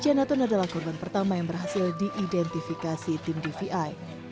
janatun adalah korban pertama yang berhasil diidentifikasi tim dvi